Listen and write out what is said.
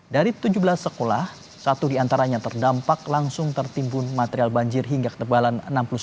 dari tujuh belas sekolah satu di antaranya terdampak langsung tertimbun material banjir hingga ketebalan enam puluh sembilan